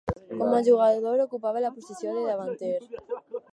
Com a jugador ocupava la posició de davanter.